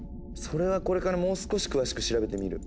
それはこれからもう少し詳しく調べてみる。